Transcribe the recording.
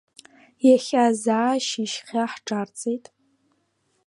Иахьа заа шьыжьхьа ҳҿарҵеит.